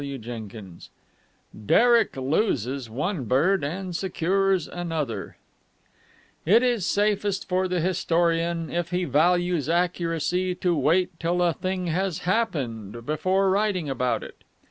CHAPTER XX DEREK LOSES ONE BIRD AND SECURES ANOTHER It is safest for the historian, if he values accuracy, to wait till a thing has happened before writing about it.